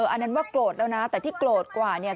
อันนั้นว่าโกรธแล้วนะแต่ที่โกรธกว่าเนี่ย